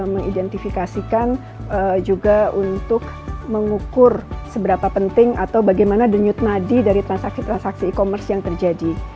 mengidentifikasikan juga untuk mengukur seberapa penting atau bagaimana denyut nadi dari transaksi transaksi e commerce yang terjadi